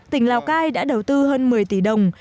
tỉnh lào cai đã đầu tư hơn một mươi tỷ đồng